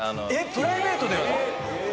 プライベートでも！？